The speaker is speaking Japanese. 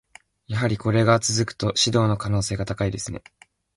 やはりこれが続くと、指導の可能性が高いですね。